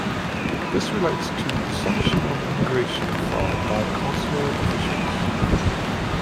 This relates to the presumption of immigration fraud by consular officials.